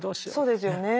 そうですよね。